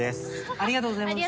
ありがとうございます。